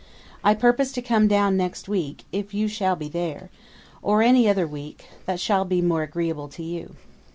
I purpose to come down next week, if you shall be there; or any other week, that shall be more agreeable to you.